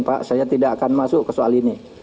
pak saya tidak akan masuk ke soal ini